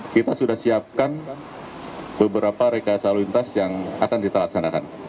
kita sudah siapkan beberapa rekayasa lalu lintas yang akan kita laksanakan